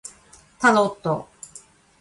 タロット